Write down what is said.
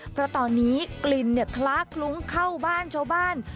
เพราะตอนนี้กลิ่นคล้าคลุ้งเข้าบ้านชาวบ้าน